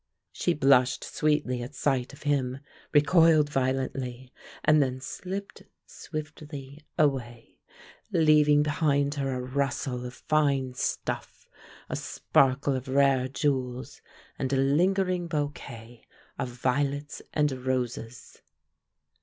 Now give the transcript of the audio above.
She blushed sweetly at sight of him, recoiled violently, and then slipped swiftly away, leaving behind her a rustle of fine stuff, a sparkle of rare jewels, and a lingering bouquet of violets and roses.